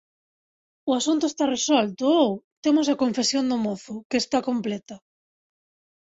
O asunto está resolto, ou? Temos a confesión do mozo, que está completa.